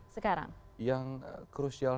sekarang yang krusial